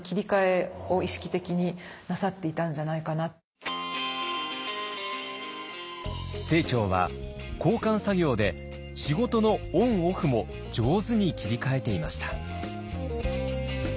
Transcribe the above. そういう意味では非常に清張は交換作業で仕事のオンオフも上手に切り替えていました。